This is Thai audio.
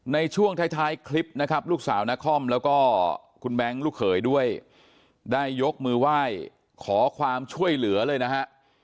ในช่วงท้ายคลิปนะครับลูกสาวนครแล้วก็คุณแบงค์ลูกเขยด้วยได้ยกมือไหว้ขอความช่วยเหลือเลยนะฮะ